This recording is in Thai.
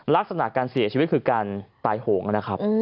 ลักษณะการเสียชีวิตคือการตายโหงนะครับ